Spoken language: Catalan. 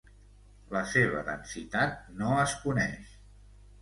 La seva densitat no es coneix.